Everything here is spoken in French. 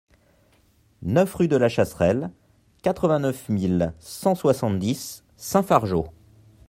neuf rue de la Chasserelle, quatre-vingt-neuf mille cent soixante-dix Saint-Fargeau